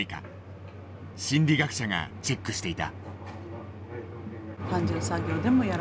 心理学者がチェックしていた。